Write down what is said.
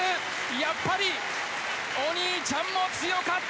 やっぱりお兄ちゃんも強かった！